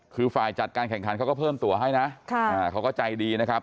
คือฝ่ายจัดการแข่งขันเขาก็เพิ่มตัวให้นะเขาก็ใจดีนะครับ